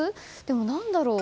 何だろう。